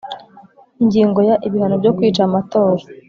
Ingingo ya Ibihano byo kwica amatora